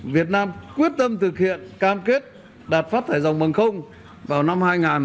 việt nam quyết tâm thực hiện cam kết đạt phát thải dòng bằng không vào năm hai nghìn hai mươi năm